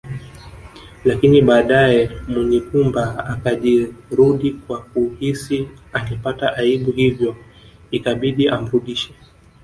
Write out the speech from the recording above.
Lakini baadaye Munyigumba akajirudi kwa kuhisi angepata aibu hivyo ikabidi amrudishe